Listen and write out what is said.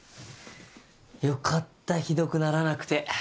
よかったひどくならなくて。